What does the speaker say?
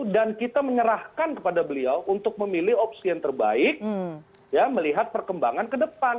dan kita menyerahkan kepada beliau untuk memilih opsi yang terbaik ya melihat perkembangan ke depan